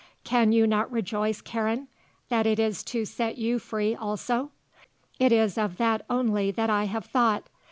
Can you not rejoice, Karen, that it is to set you free also? It is of that only that I have thought.